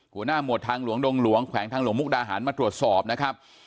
หมวดทางหลวงดงหลวงแขวงทางหลวงมุกดาหารมาตรวจสอบนะครับ